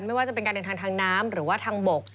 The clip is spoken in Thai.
ไม่ว่าจะเป็นการเดินทางทางน้ำหรือว่าทางบก